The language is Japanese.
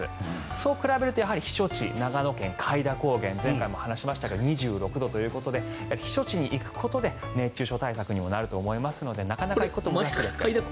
そう比べると、やはり避暑地長野県・開田高原前回も話しましたが２６度ということで避暑地に行くことで熱中症対策にもなると思いますのでなかなか行くことも。